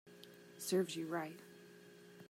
Serves you right